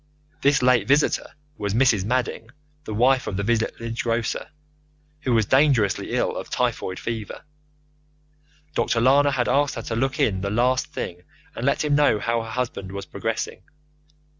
This late visitor was Mrs. Madding, the wife of the village grocer, who was dangerously ill of typhoid fever. Dr. Lana had asked her to look in the last thing and let him know how her husband was progressing.